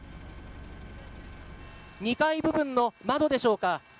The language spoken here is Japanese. ２階部分の窓でしょうか。